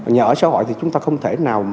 nhà ở xã hội thì chúng ta không thể nào